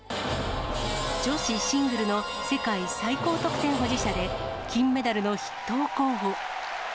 女子シングルの世界最高得点保持者で、金メダルの筆頭候補。